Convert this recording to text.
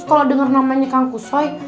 kalo denger namanya kang kusoi